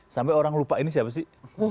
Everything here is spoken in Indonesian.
sampai orang lupa ini siapa sih